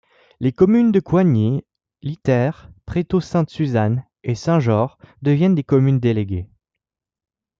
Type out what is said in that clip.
Les communes de Coigny, Lithaire, Prétot-Sainte-Suzanne et Saint-Jores deviennent des communes déléguées.